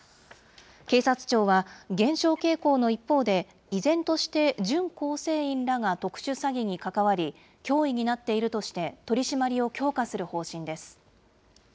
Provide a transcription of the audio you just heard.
警察庁は、減少傾向の一方で、依然として準構成員らが特殊詐欺に関わり、脅威になっているとして、取締りを強化する方針です。